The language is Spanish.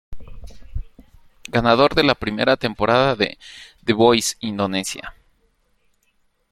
Ganador de la primera temporada de "The Voice Indonesia".